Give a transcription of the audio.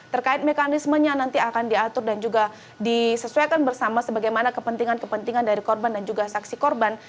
terkait mekanismenya nanti akan diatur dan juga disesuaikan bersama sebagaimana kepentingan kepentingan dari korban dan juga saksi korban